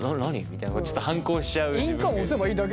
みたいなちょっと反抗しちゃう自分がいて。